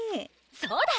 そうだ！